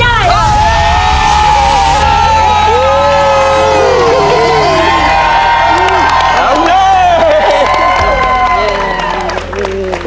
อันนี้